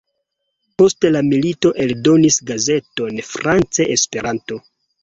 Post la milito eldonis gazeton France-Esperanto.